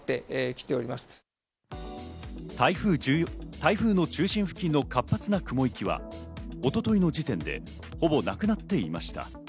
台風の中心付近の活発な雲域は、一昨日の時点でほぼなくなっていました。